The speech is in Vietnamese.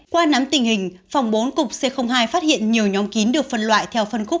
qua nắm tình hình phòng bốn cục c hai phát hiện nhiều nhóm kín được phân loại theo phân khúc